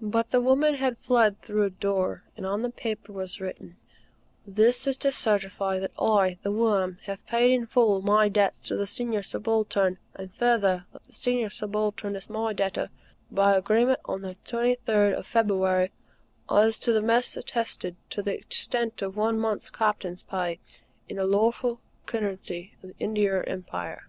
But the woman had fled through a door, and on the paper was written: "This is to certify that I, The Worm, have paid in full my debts to the Senior Subaltern, and, further, that the Senior Subaltern is my debtor, by agreement on the 23d of February, as by the Mess attested, to the extent of one month's Captain's pay, in the lawful currency of the India Empire."